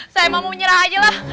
saya emang mau menyerah aja lah